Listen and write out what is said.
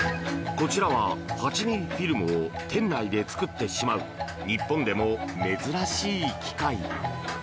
こちらは８ｍｍフィルムを店内で作ってしまう日本でも珍しい機械。